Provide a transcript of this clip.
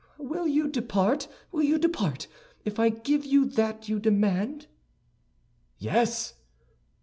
"Will you depart—will you depart, if I give you that you demand?" "Yes."